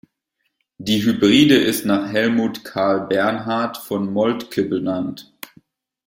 Die Hybride ist nach Helmuth Karl Bernhard von Moltke benannt.